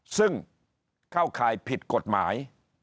ซึ่งเข้าข่ายผิดกฎหมาย